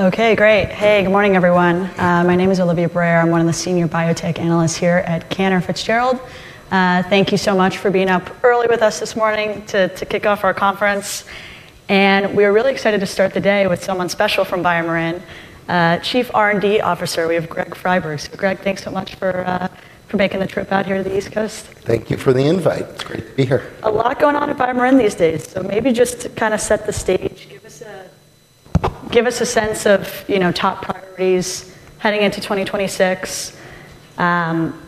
Okay, great. Hey, good morning, everyone. My name is Olivia Breyer. I'm one of the Senior Biotech Analysts here at Cantor Fitzgerald. Thank you so much for being up early with us this morning to kick off our conference. We're really excited to start the day with someone special from BioMarin Pharmaceutical Inc., Chief R&D Officer. We have Greg Friberg. Greg, thanks so much for making the trip out here to the East Coast. Thank you for the invite. It's great to be here. A lot going on at BioMarin Pharmaceutical Inc. these days. Maybe just to kind of set the stage, give us a sense of, you know, top priorities heading into 2026. You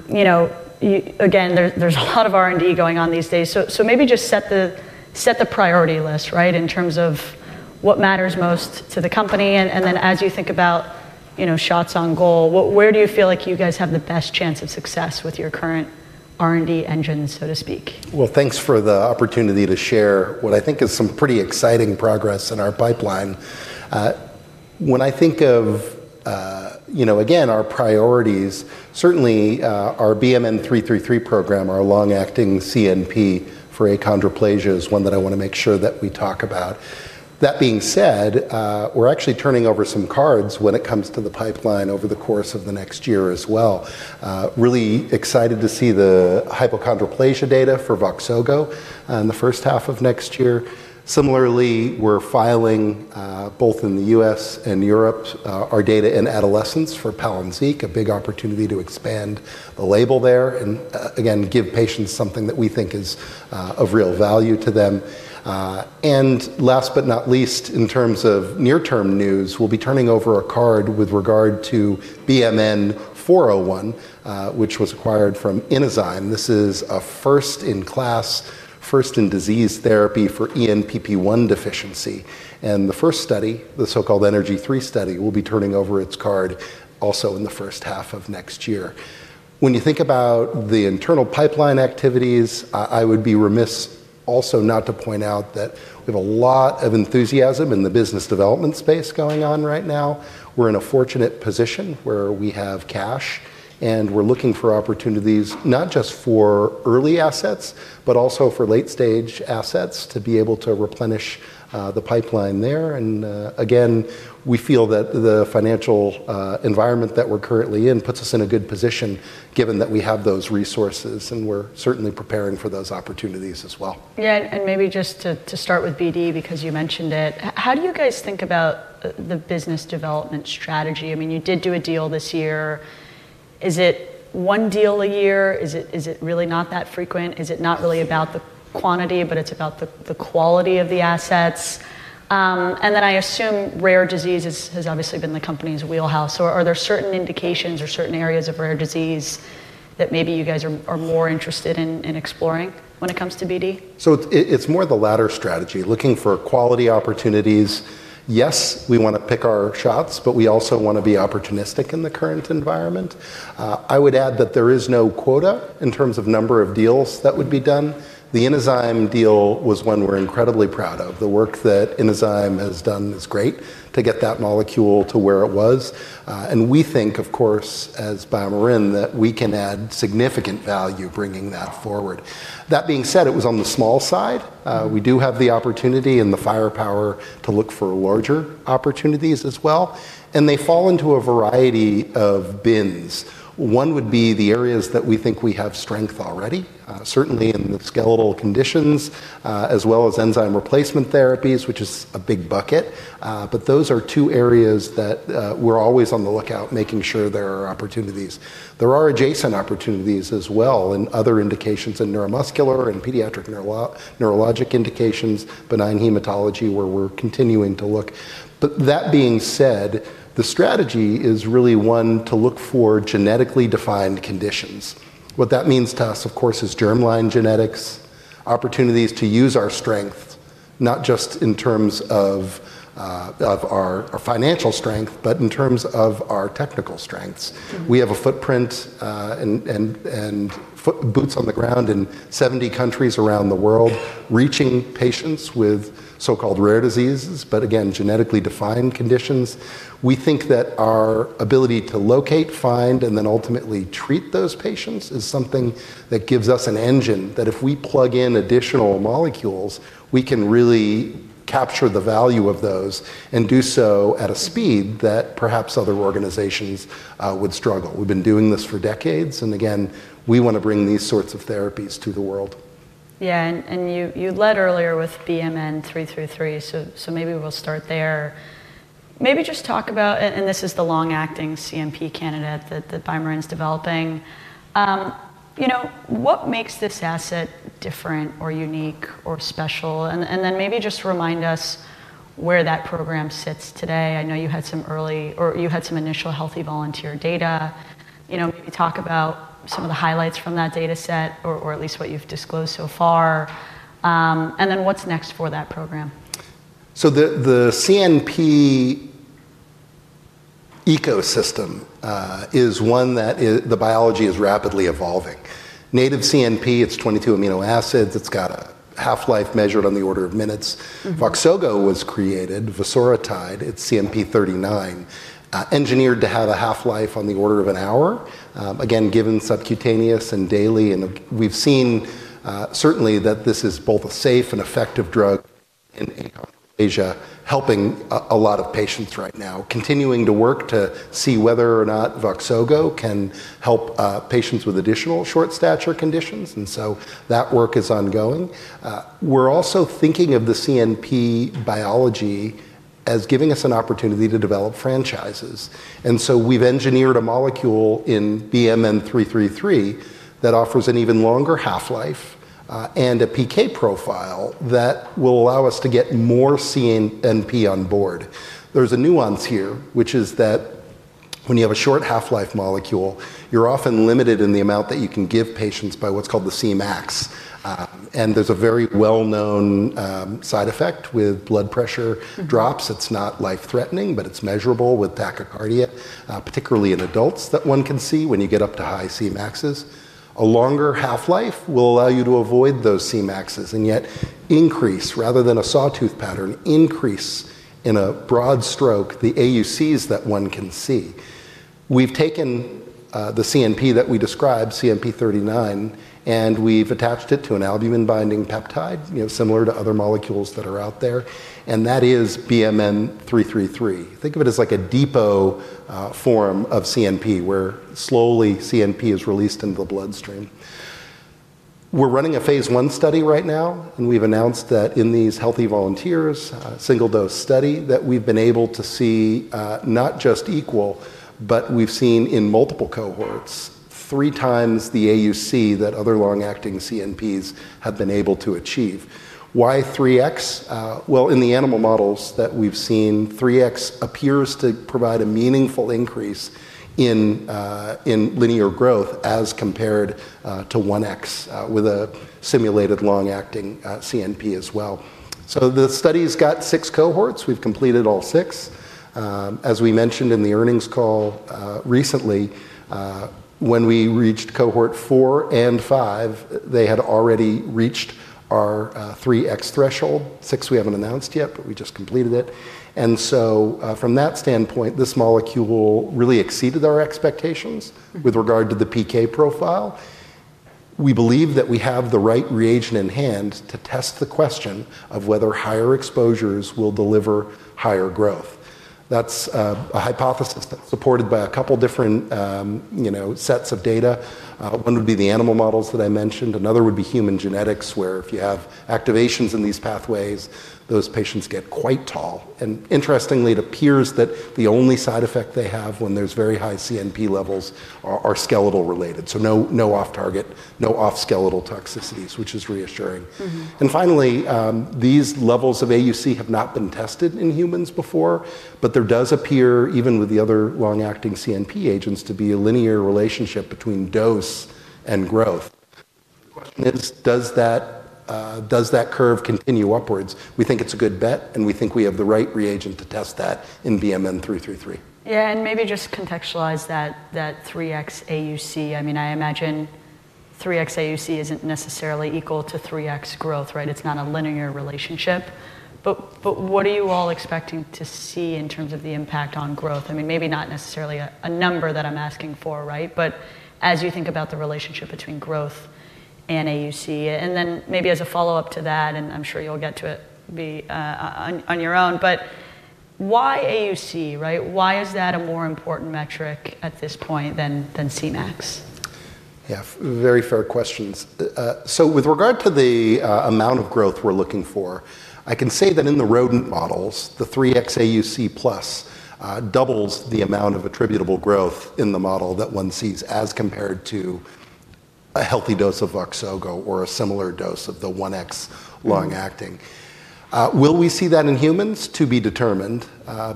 know, there's a lot of R&D going on these days. Maybe just set the priority list, right, in terms of what matters most to the company. As you think about, you know, shots on goal, where do you feel like you guys have the best chance of success with your current R&D engine, so to speak? Thank you for the opportunity to share what I think is some pretty exciting progress in our pipeline. When I think of, you know, again, our priorities, certainly our BMN 333 program, our long-acting C-type natriuretic peptide for achondroplasia, is one that I want to make sure that we talk about. That being said, we're actually turning over some cards when it comes to the pipeline over the course of the next year as well. Really excited to see the hypochondroplasia data for Voxzogo in the first half of next year. Similarly, we're filing both in the U.S. and Europe our data in adolescents for Palynziq, a big opportunity to expand a label there, and again, give patients something that we think is of real value to them. Last but not least, in terms of near-term news, we'll be turning over a card with regard to BMN 401, which was acquired from Inozyme Pharma. This is a first-in-class, first-in-disease therapy for ENPP1 deficiency. The first study, the so-called ENERGY 3 study, we'll be turning over its card also in the first half of next year. When you think about the internal pipeline activities, I would be remiss also not to point out that we have a lot of enthusiasm in the business development space going on right now. We're in a fortunate position where we have cash, and we're looking for opportunities not just for early assets, but also for late-stage assets to be able to replenish the pipeline there. We feel that the financial environment that we're currently in puts us in a good position given that we have those resources, and we're certainly preparing for those opportunities as well. Yeah, maybe just to start with BD, because you mentioned it, how do you guys think about the business development strategy? I mean, you did do a deal this year. Is it one deal a year? Is it really not that frequent? Is it not really about the quantity, but it's about the quality of the assets? I assume rare disease has obviously been the company's wheelhouse. Are there certain indications or certain areas of rare disease that maybe you guys are more interested in exploring when it comes to BD? It's more of the latter strategy, looking for quality opportunities. Yes, we want to pick our shots, but we also want to be opportunistic in the current environment. I would add that there is no quota in terms of number of deals that would be done. The Inozyme deal was one we're incredibly proud of. The work that Inozyme has done is great to get that molecule to where it was. We think, of course, as BioMarin, that we can add significant value bringing that forward. That being said, it was on the small side. We do have the opportunity and the firepower to look for larger opportunities as well, and they fall into a variety of bins. One would be the areas that we think we have strength already, certainly in the skeletal conditions, as well as enzyme replacement therapies, which is a big bucket. Those are two areas that we're always on the lookout, making sure there are opportunities. There are adjacent opportunities as well in other indications in neuromuscular and pediatric neurologic indications, benign hematology, where we're continuing to look. That being said, the strategy is really one to look for genetically defined conditions. What that means to us, of course, is germline genetics, opportunities to use our strength, not just in terms of our financial strength, but in terms of our technical strengths. We have a footprint and boots on the ground in 70 countries around the world, reaching patients with so-called rare diseases, but again, genetically defined conditions. We think that our ability to locate, find, and then ultimately treat those patients is something that gives us an engine that if we plug in additional molecules, we can really capture the value of those and do so at a speed that perhaps other organizations would struggle. We've been doing this for decades, and we want to bring these sorts of therapies to the world. Yeah, and you led earlier with BMN 333, so maybe we'll start there. Maybe just talk about, and this is the long-acting CNP candidate that BioMarin's developing. You know, what makes this asset different or unique or special? Maybe just remind us where that program sits today. I know you had some early, or you had some initial healthy volunteer data. You know, maybe talk about some of the highlights from that data set, or at least what you've disclosed so far. What's next for that program? The CNP ecosystem is one where the biology is rapidly evolving. Native C-type natriuretic peptide, it's 22 amino acids. It's got a half-life measured on the order of minutes. Voxzogo was created, Vosoritide, it's CMP39, engineered to have a half-life on the order of an hour. Given subcutaneous and daily, we've seen certainly that this is both a safe and effective drug in achondroplasia, helping a lot of patients right now, continuing to work to see whether or not Voxzogo can help patients with additional short stature conditions. That work is ongoing. We're also thinking of the CNP biology as giving us an opportunity to develop franchises. We've engineered a molecule in BMN 333 that offers an even longer half-life and a PK profile that will allow us to get more CNP on board. There's a nuance here, which is that when you have a short half-life molecule, you're often limited in the amount that you can give patients by what's called the Cmax. There's a very well-known side effect with blood pressure drops. It's not life-threatening, but it's measurable with tachycardia, particularly in adults that one can see when you get up to high Cmaxes. A longer half-life will allow you to avoid those Cmaxes and yet increase, rather than a sawtooth pattern, increase in a broad stroke the AUCs that one can see. We've taken the CNP that we described, CMP39, and we've attached it to an albumin-binding peptide, similar to other molecules that are out there. That is BMN 333. Think of it as like a depot form of CNP where slowly CNP is released into the bloodstream. We're running a Phase 1 study right now, and we've announced that in these healthy volunteers, a single-dose study, we've been able to see not just equal, but we've seen in multiple cohorts three times the AUC that other long-acting CNPs have been able to achieve. Why 3x? In the animal models that we've seen, 3x appears to provide a meaningful increase in linear growth as compared to 1x with a simulated long-acting CNP as well. The study's got six cohorts. We've completed all six. As we mentioned in the earnings call recently, when we reached cohort four and five, they had already reached our 3x threshold. Six we haven't announced yet, but we just completed it. From that standpoint, this molecule really exceeded our expectations with regard to the PK profile. We believe that we have the right reagent in hand to test the question of whether higher exposures will deliver higher growth. That's a hypothesis that's supported by a couple different sets of data. One would be the animal models that I mentioned. Another would be human genetics, where if you have activations in these pathways, those patients get quite tall. Interestingly, it appears that the only side effect they have when there's very high C-type natriuretic peptide (CNP) levels are skeletal related. No off-target, no off-skeletal toxicities, which is reassuring. Finally, these levels of area under the curve (AUC) have not been tested in humans before, but there does appear, even with the other long-acting CNP agents, to be a linear relationship between dose and growth. Does that curve continue upwards? We think it's a good bet, and we think we have the right reagent to test that in BMN 333. Yeah, and maybe just contextualize that 3x AUC. I mean, I imagine 3x AUC isn't necessarily equal to 3x growth, right? It's not a linear relationship. What are you all expecting to see in terms of the impact on growth? I mean, maybe not necessarily a number that I'm asking for, right? As you think about the relationship between growth and AUC, and then maybe as a follow-up to that, I'm sure you'll get to it on your own, but why AUC, right? Why is that a more important metric at this point than Cmax? Yeah, very fair questions. With regard to the amount of growth we're looking for, I can say that in the rodent models, the 3x AUC plus doubles the amount of attributable growth in the model that one sees as compared to a healthy dose of Voxzogo or a similar dose of the 1x long-acting. Will we see that in humans? To be determined.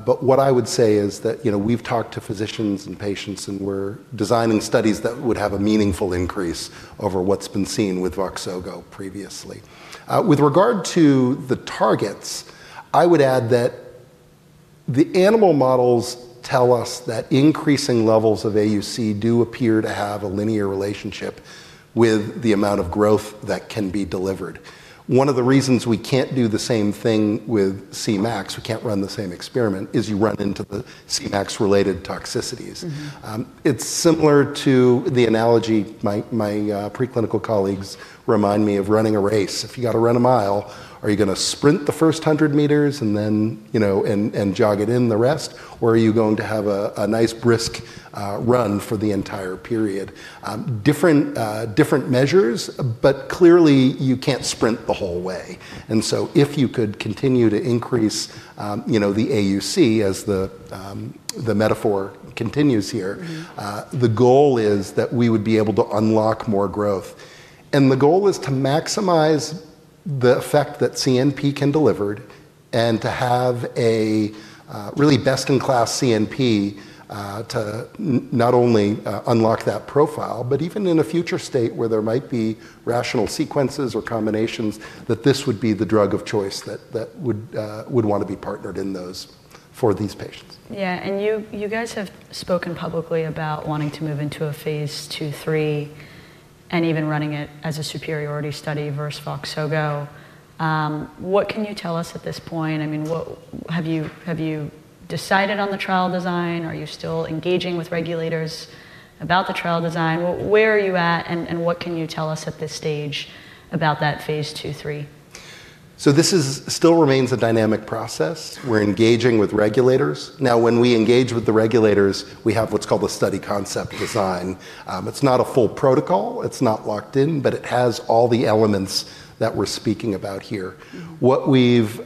What I would say is that we've talked to physicians and patients, and we're designing studies that would have a meaningful increase over what's been seen with Voxzogo previously. With regard to the targets, I would add that the animal models tell us that increasing levels of AUC do appear to have a linear relationship with the amount of growth that can be delivered. One of the reasons we can't do the same thing with Cmax, we can't run the same experiment, is you run into the Cmax-related toxicities. It's similar to the analogy my preclinical colleagues remind me of, running a race. If you got to run a mile, are you going to sprint the first 100 m and then, you know, jog it in the rest? Or are you going to have a nice brisk run for the entire period? Different measures, but clearly you can't sprint the whole way. If you could continue to increase the AUC, as the metaphor continues here, the goal is that we would be able to unlock more growth. The goal is to maximize the effect that CNP can deliver and to have a really best-in-class CNP to not only unlock that profile, but even in a future state where there might be rational sequences or combinations, that this would be the drug of choice that would want to be partnered in those for these patients. Yeah, and you guys have spoken publicly about wanting to move into a Phase 2-3, and even running it as a superiority study versus Voxzogo. What can you tell us at this point? I mean, have you decided on the trial design? Are you still engaging with regulators about the trial design? Where are you at and what can you tell us at this stage about that Phase 2-3? This still remains a dynamic process. We're engaging with regulators. Now, when we engage with the regulators, we have what's called a study concept design. It's not a full protocol. It's not locked in, but it has all the elements that we're speaking about here. What we've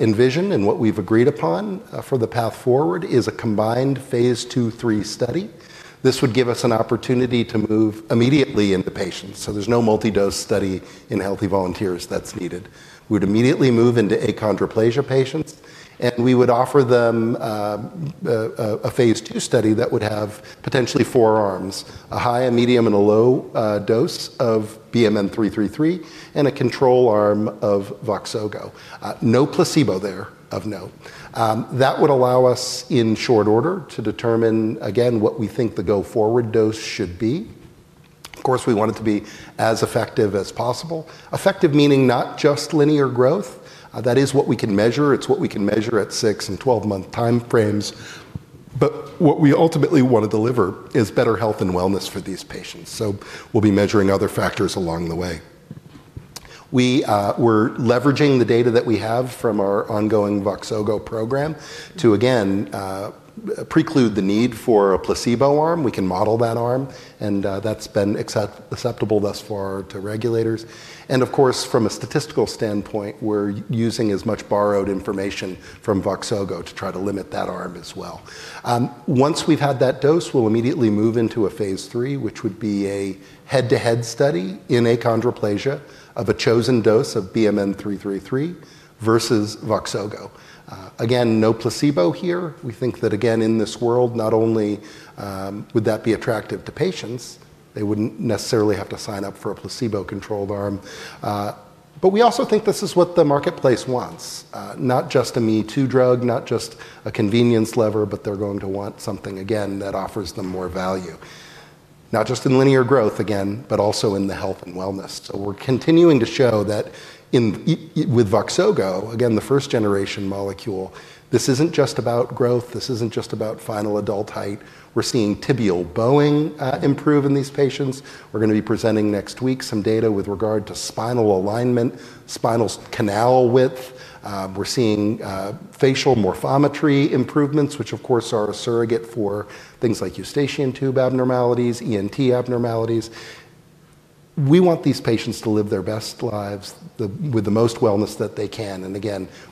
envisioned and what we've agreed upon for the path forward is a combined Phase 2-3 study. This would give us an opportunity to move immediately into patients. There's no multi-dose study in healthy volunteers that's needed. We would immediately move into achondroplasia patients, and we would offer them a Phase 2 study that would have potentially four arms: a high, a medium, and a low dose of BMN 333 and a control arm of Voxzogo. No placebo there, of note. That would allow us, in short order, to determine, again, what we think the go-forward dose should be. Of course, we want it to be as effective as possible. Effective meaning not just linear growth. That is what we can measure. It's what we can measure at six and 12-month time frames. What we ultimately want to deliver is better health and wellness for these patients. We'll be measuring other factors along the way. We're leveraging the data that we have from our ongoing Voxzogo program to, again, preclude the need for a placebo arm. We can model that arm, and that's been acceptable thus far to regulators. Of course, from a statistical standpoint, we're using as much borrowed information from Voxzogo to try to limit that arm as well. Once we've had that dose, we'll immediately move into a Phase 3, which would be a head-to-head study in achondroplasia of a chosen dose of BMN 333 versus Voxzogo. Again, no placebo here. We think that, again, in this world, not only would that be attractive to patients, they wouldn't necessarily have to sign up for a placebo-controlled arm, but we also think this is what the marketplace wants. Not just an E2 drug, not just a convenience lever, but they're going to want something, again, that offers them more value. Not just in linear growth, again, but also in the health and wellness. We're continuing to show that with Voxzogo, again, the first-generation molecule, this isn't just about growth. This isn't just about final adult height. We're seeing tibial bowing improve in these patients. We're going to be presenting next week some data with regard to spinal alignment, spinal canal width. We're seeing facial morphometry improvements, which, of course, are a surrogate for things like eustachian tube abnormalities, ENT abnormalities. We want these patients to live their best lives with the most wellness that they can.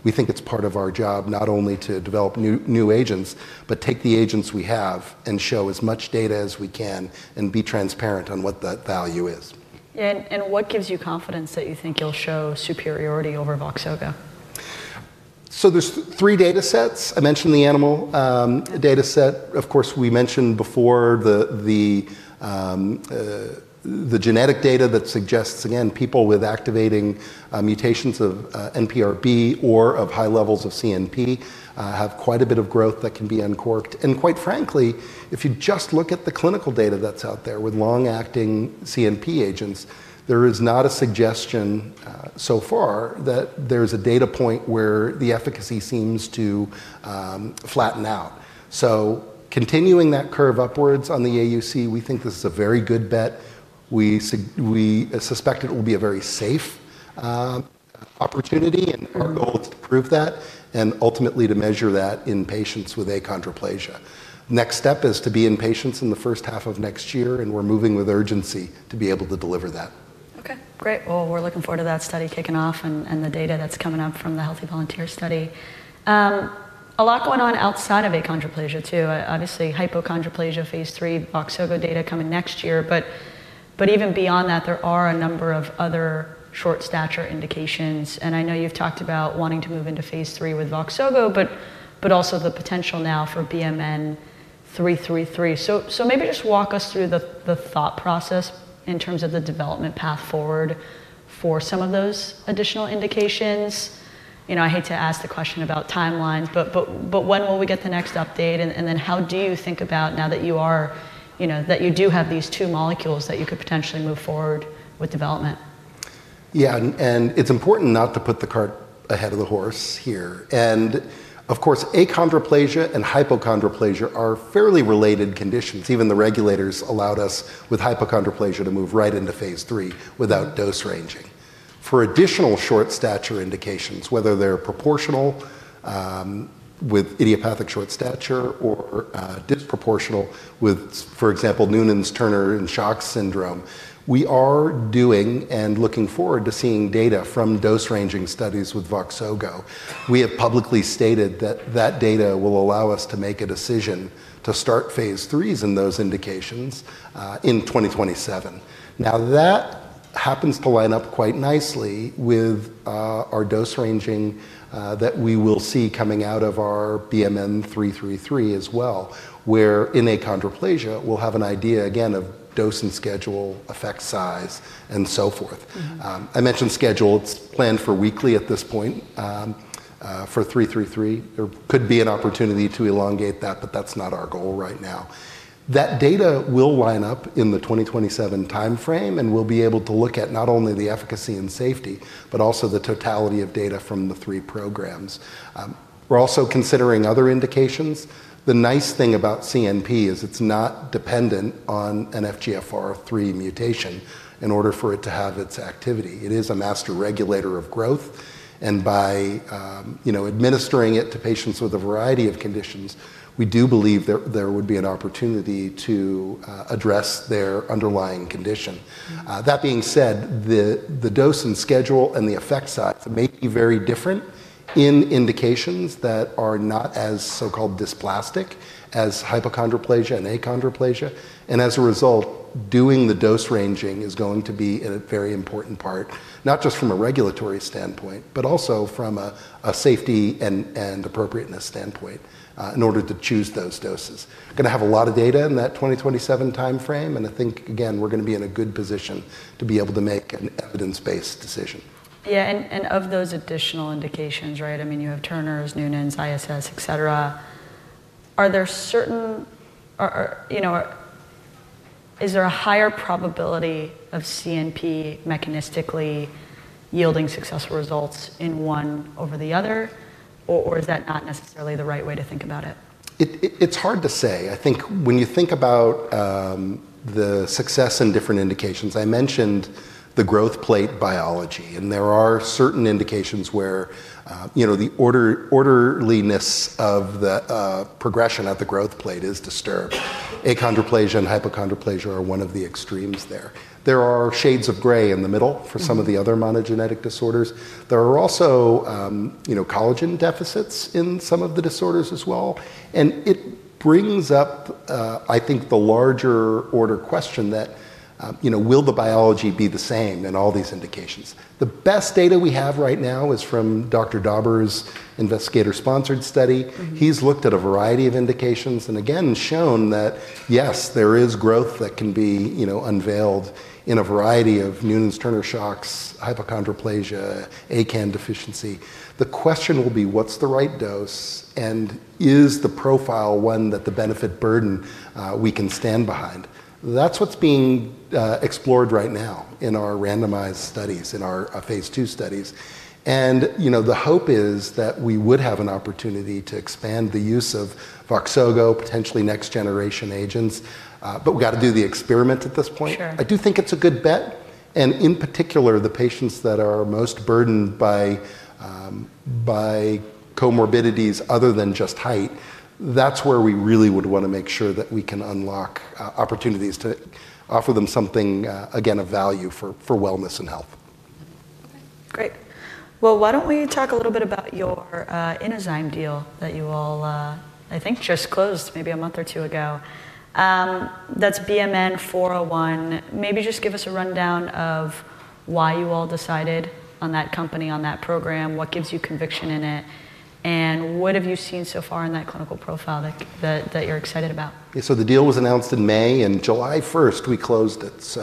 We think it's part of our job not only to develop new agents, but take the agents we have and show as much data as we can and be transparent on what that value is. What gives you confidence that you think you'll show superiority over Voxzogo? There are three data sets. I mentioned the animal data set. Of course, we mentioned before the genetic data that suggests, again, people with activating mutations of NPRB or of high levels of C-type natriuretic peptide have quite a bit of growth that can be uncorked. Quite frankly, if you just look at the clinical data that's out there with long-acting C-type natriuretic peptide agents, there is not a suggestion so far that there's a data point where the efficacy seems to flatten out. Continuing that curve upwards on the area under the curve, we think this is a very good bet. We suspect it will be a very safe opportunity, and our goal is to prove that and ultimately to measure that in patients with achondroplasia. The next step is to be in patients in the first half of next year, and we're moving with urgency to be able to deliver that. Okay, great. We're looking forward to that study kicking off and the data that's coming up from the healthy volunteer study. A lot going on outside of achondroplasia too. Obviously, hypochondroplasia phase 3, Voxzogo data coming next year, but even beyond that, there are a number of other short stature indications. I know you've talked about wanting to move into Phase 3 with Voxzogo, but also the potential now for BMN 333. Maybe just walk us through the thought process in terms of the development path forward for some of those additional indications. I hate to ask the question about timelines, but when will we get the next update? How do you think about now that you do have these two molecules that you could potentially move forward with development? Yeah, and it's important not to put the cart ahead of the horse here. Of course, achondroplasia and hypochondroplasia are fairly related conditions. Even the regulators allowed us with hypochondroplasia to move right into Phase 3 without dose ranging. For additional short stature indications, whether they're proportional with idiopathic short stature or disproportional with, for example, Noonan syndrome, Turner syndrome, and Sachs syndrome, we are doing and looking forward to seeing data from dose ranging studies with Voxzogo. We have publicly stated that that data will allow us to make a decision to start phase 3s in those indications in 2027. Now that happens to line up quite nicely with our dose ranging that we will see coming out of our BMN 333 as well, where in achondroplasia we'll have an idea again of dosing schedule, effect size, and so forth. I mentioned schedule. It's planned for weekly at this point for 333. It could be an opportunity to elongate that, but that's not our goal right now. That data will line up in the 2027 timeframe, and we'll be able to look at not only the efficacy and safety, but also the totality of data from the three programs. We're also considering other indications. The nice thing about C-type natriuretic peptide is it's not dependent on an FGFR3 mutation in order for it to have its activity. It is a master regulator of growth. By administering it to patients with a variety of conditions, we do believe there would be an opportunity to address their underlying condition. That being said, the dosing schedule and the effect size may be very different in indications that are not as so-called dysplastic as hypochondroplasia and achondroplasia. As a result, doing the dose ranging is going to be a very important part, not just from a regulatory standpoint, but also from a safety and appropriateness standpoint in order to choose those doses. We're going to have a lot of data in that 2027 timeframe, and I think, again, we're going to be in a good position to be able to make an evidence-based decision. Yeah, and of those additional indications, right? I mean, you have Turner syndrome, Noonan syndrome, idiopathic short stature, etc. Are there certain, you know, is there a higher probability of C-type natriuretic peptide mechanistically yielding successful results in one over the other, or is that not necessarily the right way to think about it? It's hard to say. I think when you think about the success in different indications, I mentioned the growth plate biology, and there are certain indications where the orderliness of the progression at the growth plate is disturbed. Achondroplasia and hypochondroplasia are one of the extremes there. There are shades of gray in the middle for some of the other monogenetic disorders. There are also collagen deficits in some of the disorders as well. It brings up, I think, the larger order question that, you know, will the biology be the same in all these indications? The best data we have right now is from Dr. Daber's investigator-sponsored study. He's looked at a variety of indications and, again, shown that, yes, there is growth that can be unveiled in a variety of Noonan syndrome, Turner syndrome, Sachs, hypochondroplasia, ACAN deficiency. The question will be, what's the right dose, and is the profile one that the benefit-burden we can stand behind? That's what's being explored right now in our randomized studies, in our Phase 2 studies. The hope is that we would have an opportunity to expand the use of Voxzogo, potentially next-generation agents, but we've got to do the experiment at this point. I do think it's a good bet. In particular, the patients that are most burdened by comorbidities other than just height, that's where we really would want to make sure that we can unlock opportunities to offer them something, again, of value for wellness and health. Great. Why don't we talk a little bit about your Inozyme deal that you all, I think, just closed maybe a month or two ago? That's BMN 401. Maybe just give us a rundown of why you all decided on that company, on that program, what gives you conviction in it, and what have you seen so far in that clinical profile that you're excited about? The deal was announced in May, and July 1, we closed it.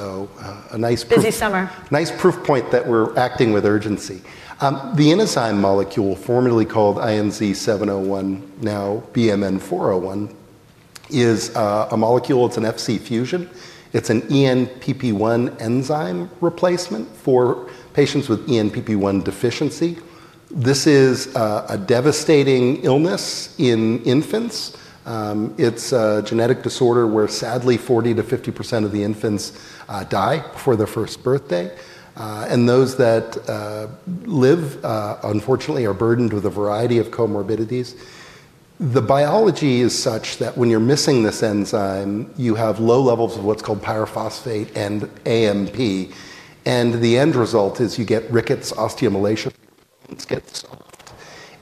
A nice proof point that we're acting with urgency. The Inozyme molecule, formerly called INZ-701, now BMN 401, is a molecule. It's an FC fusion. It's an ENPP1 enzyme replacement for patients with ENPP1 deficiency. This is a devastating illness in infants. It's a genetic disorder where, sadly, 40%- 50% of the infants die before their first birthday. Those that live, unfortunately, are burdened with a variety of comorbidities. The biology is such that when you're missing this enzyme, you have low levels of what's called pyrophosphate and AMP. The end result is you get rickets, osteomalacia. It's getting solved.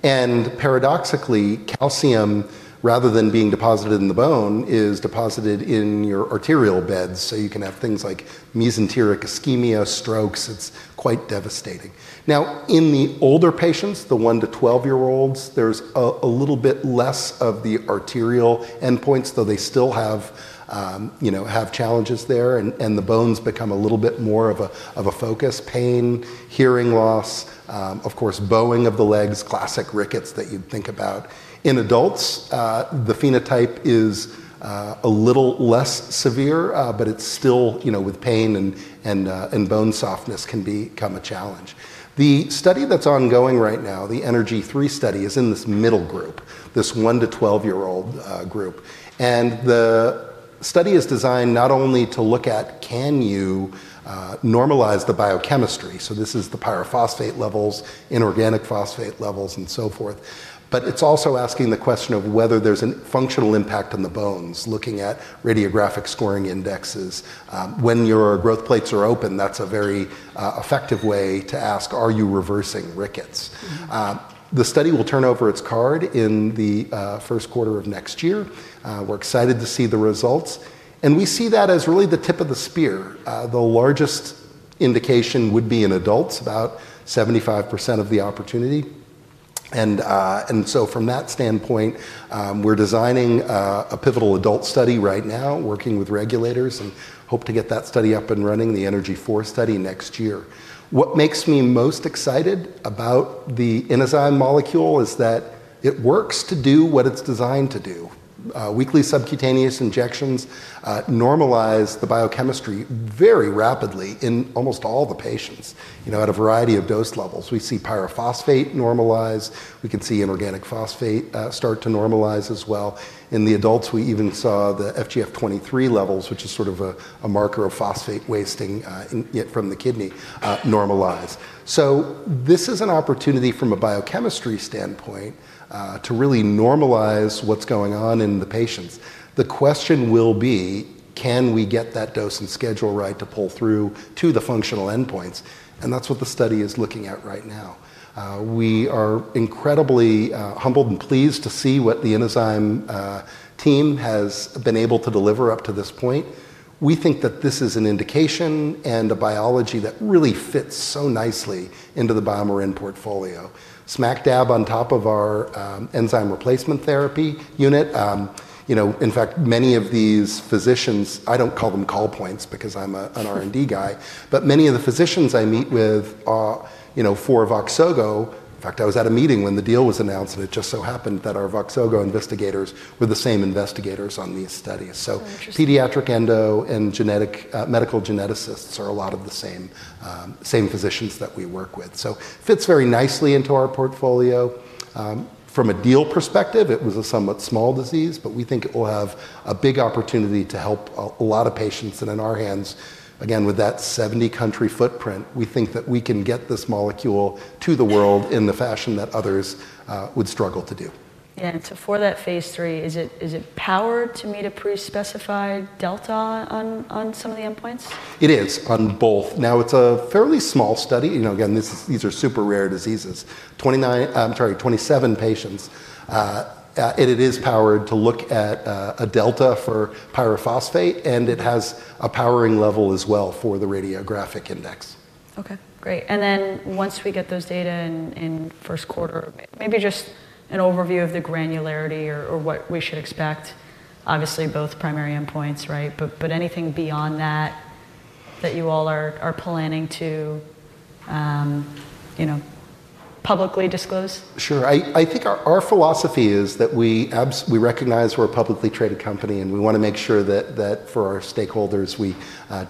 Paradoxically, calcium, rather than being deposited in the bone, is deposited in your arterial beds. You can have things like mesenteric ischemia, strokes. It's quite devastating. In the older patients, the 1 year- 12-year-olds, there's a little bit less of the arterial endpoints, though they still have challenges there. The bones become a little bit more of a focus: pain, hearing loss, of course, bowing of the legs, classic rickets that you'd think about. In adults, the phenotype is a little less severe, but it's still, with pain and bone softness, can become a challenge. The study that's ongoing right now, the ENERGY3 study, is in this middle group, this 1 year- 12-year-old group. The study is designed not only to look at, can you normalize the biochemistry? This is the pyrophosphate levels, inorganic phosphate levels, and so forth. It's also asking the question of whether there's a functional impact on the bones, looking at radiographic scoring indexes. When your growth plates are open, that's a very effective way to ask, are you reversing rickets? The study will turn over its card in the first quarter of next year. We're excited to see the results. We see that as really the tip of the spear. The largest indication would be in adults, about 75% of the opportunity. From that standpoint, we're designing a pivotal adult study right now, working with regulators, and hope to get that study up and running, the ENERGY 4 study, next year. What makes me most excited about the Inozyme molecule is that it works to do what it's designed to do. Weekly subcutaneous injections normalize the biochemistry very rapidly in almost all the patients at a variety of dose levels. We see pyrophosphate normalize. We can see inorganic phosphate start to normalize as well. In the adults, we even saw the FGF-23 levels, which is sort of a marker of phosphate wasting yet from the kidney, normalize. This is an opportunity from a biochemistry standpoint to really normalize what's going on in the patients. The question will be, can we get that dosing schedule right to pull through to the functional endpoints? That's what the study is looking at right now. We are incredibly humbled and pleased to see what the Inozyme team has been able to deliver up to this point. We think that this is an indication and a biology that really fits so nicely into the BioMarin Pharmaceutical Inc. portfolio. Smack dab on top of our enzyme replacement therapy unit. In fact, many of these physicians, I don't call them call points because I'm an R&D guy, but many of the physicians I meet with are, you know, for Voxzogo. In fact, I was at a meeting when the deal was announced, and it just so happened that our Voxzogo investigators were the same investigators on these studies. Pediatric endo and medical geneticists are a lot of the same physicians that we work with. It fits very nicely into our portfolio. From a deal perspective, it was a somewhat small disease, but we think it will have a big opportunity to help a lot of patients. In our hands, again, with that 70-country footprint, we think that we can get this molecule to the world in the fashion that others would struggle to do. Yeah, for that Phase 3, is it powered to meet a pre-specified delta on some of the endpoints? It is on both. Now, it's a fairly small study. You know, again, these are super rare diseases. Twenty-seven patients. It is powered to look at a Δ for pyrophosphate, and it has a powering level as well for the radiographic index. Okay, great. Once we get those data in first quarter, maybe just an overview of the granularity or what we should expect. Obviously, both primary endpoints, right? Anything beyond that that you all are planning to publicly disclose? Sure. I think our philosophy is that we recognize we're a publicly traded company, and we want to make sure that for our stakeholders, we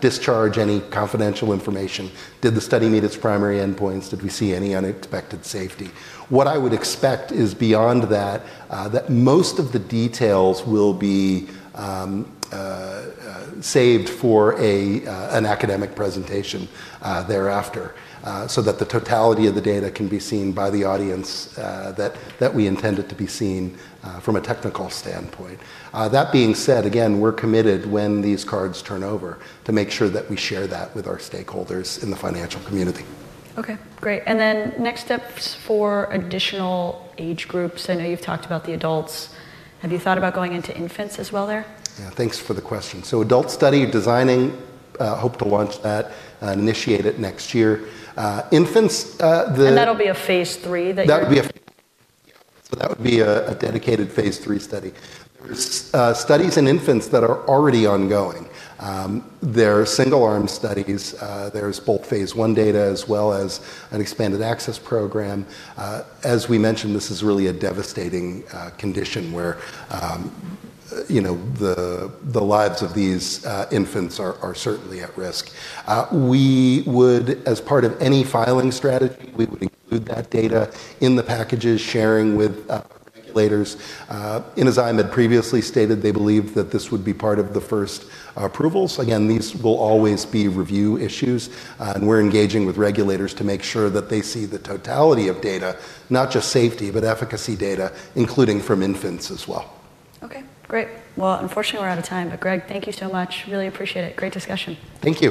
discharge any confidential information. Did the study meet its primary endpoints? Did we see any unexpected safety? What I would expect is beyond that, that most of the details will be saved for an academic presentation thereafter, so that the totality of the data can be seen by the audience that we intended to be seen from a technical standpoint. That being said, again, we're committed when these cards turn over to make sure that we share that with our stakeholders in the financial community. Okay, great. Next steps for additional age groups. I know you've talked about the adults. Have you thought about going into infants as well there? Yeah, thanks for the question. Adult study designing, hope to launch that, initiate it next year. Infants, the... That'll be a Phase 3 that you... That would be a dedicated Phase 3 study. Studies in infants that are already ongoing are single arm studies. There's both phase 1 data as well as an expanded access program. As we mentioned, this is really a devastating condition where the lives of these infants are certainly at risk. As part of any filing strategy, we would include that data in the packages sharing with regulators. Inozyme had previously stated they believed that this would be part of the first approvals. These will always be review issues, and we're engaging with regulators to make sure that they see the totality of data, not just safety, but efficacy data, including from infants as well. Okay, great. Unfortunately, we're out of time, but Greg, thank you so much. Really appreciate it. Great discussion. Thank you.